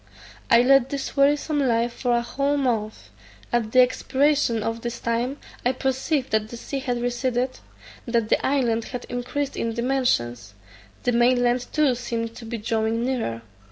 I led this wearisome life for a whole month. At the expiration of this time I perceived that the sea had receded; that the island had increased in dimensions; the main land too seemed to be drawing nearer.